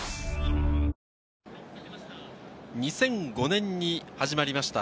２００５年に始まりました